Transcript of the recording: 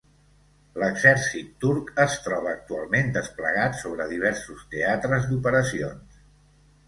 L'exèrcit turc es troba actualment desplegat sobre diversos teatres d'operacions.